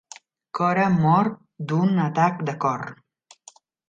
Cora mor d'un atac de cor.